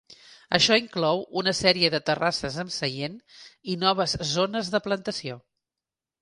Això inclou una sèrie de terrasses amb seient i noves zones de plantació.